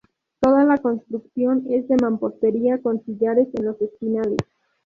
Toda la construcción es de mampostería, con sillares en los esquinales.